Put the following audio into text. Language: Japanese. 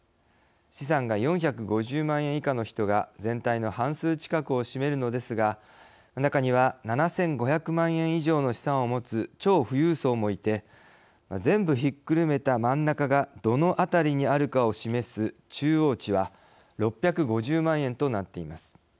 資産が４５０万円以下の人が全体の半数近くを占めるのですが中には７，５００万円以上の資産を持つ超富裕層もいて全部ひっくるめた真ん中がどのあたりにあるかを示す中央値は６５０万円となっています。